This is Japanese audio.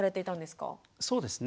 そうですね